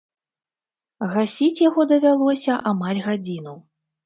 Гасіць яго давялося амаль гадзіну.